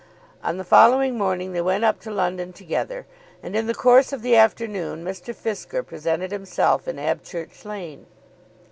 On the following morning they went up to London together, and in the course of the afternoon Mr. Fisker presented himself in Abchurch Lane.